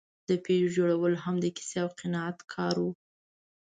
د پيژو جوړول هم د کیسې او قناعت کار و.